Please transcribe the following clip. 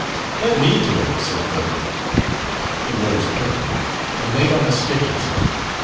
"Let me do it," said Cope. He rose quickly and laid on a stick or two.